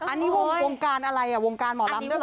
อันนี้วงการอะไรวงการหมอลำด้วยเห